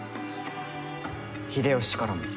秀吉からも。